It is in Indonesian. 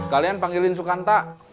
sekalian panggilin sukanta